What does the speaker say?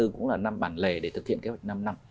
cũng là năm bản lề để thực hiện kế hoạch năm năm